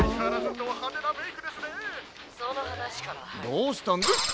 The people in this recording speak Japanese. どうしたんヒッ！